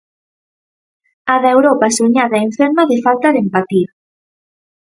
A da Europa soñada e enferma de falta de empatía.